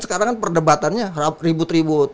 sekarang kan perdebatannya ribut ribut